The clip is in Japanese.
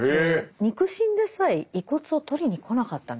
肉親でさえ遺骨を取りに来なかったんですよ。